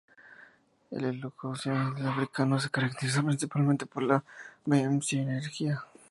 La elocuencia de Africano se caracterizó principalmente por la vehemencia y energía.